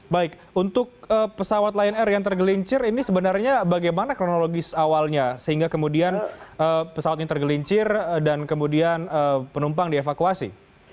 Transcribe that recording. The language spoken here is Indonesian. baik untuk pesawat lion air yang tergelincir ini sebenarnya bagaimana kronologis awalnya sehingga kemudian pesawat ini tergelincir dan kemudian penumpang dievakuasi